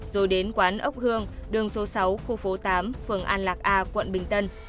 rồi đến quán ốc hương đường số sáu khu phố tám phường an lạc a quận bình tân